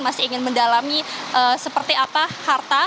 masih ingin mendalami seperti apa harta